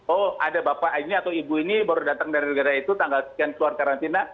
oh ada bapak ini atau ibu ini baru datang dari negara itu tanggal sekian keluar karantina